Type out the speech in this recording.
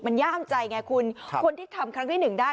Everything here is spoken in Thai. มันย่ามใจไงคุณคนที่ทำครั้งที่หนึ่งได้